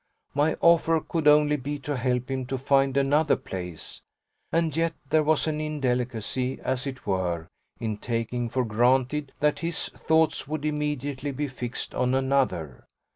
My offer could only be to help him to find another place, and yet there was an indelicacy, as it were, in taking for granted that his thoughts would immediately be fixed on another.